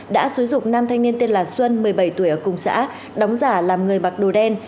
đã xúi dục nam thanh niên tên là xuân một mươi bảy tuổi ở cùng xã đóng giả làm người mặc đồ đen